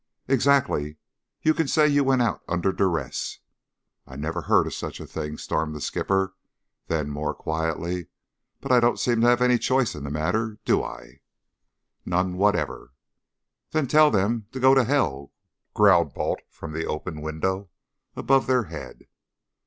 "Exactly! You can say you went out under duress." "I never heard of such a thing," stormed the skipper. Then, more quietly, "But I don't seem to have any choice in the matter; do I?" "None whatever." "Tell them to go to hell!" growled Balt from the open window above their head.